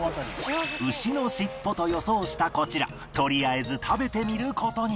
牛の尻尾と予想したこちらとりあえず食べてみる事に